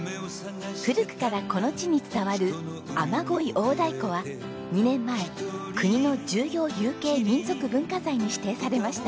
古くからこの地に伝わる雨乞い大太鼓は２年前国の重要有形民俗文化財に指定されました。